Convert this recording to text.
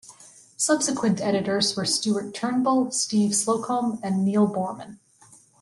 Subsequent editors were Stuart Turnbull, Steve Slocombe, and Neil Boorman.